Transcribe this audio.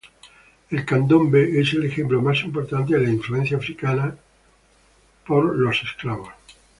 El candombe es el ejemplo más importante de la influencia africana por esclavos.